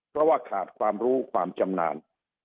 เพราะว่าขาดความรู้ความชำนาญ